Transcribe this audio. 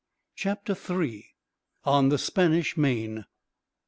Chapter 3: On the Spanish Main.